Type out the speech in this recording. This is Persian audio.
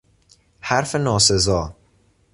حرف ناسزا